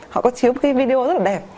họ có chiếu một cái video rất là đẹp